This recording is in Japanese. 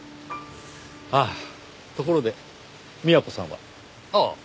ああところで美和子さんは？ああ。